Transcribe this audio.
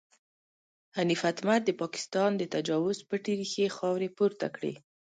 حنیف اتمر د پاکستان د تجاوز پټې ریښې خاورې پورته کړې.